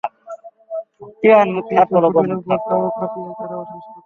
উঁচু উঁচ খুঁটির উপর তাঁবু খাটিয়ে তারা বসবাস করত।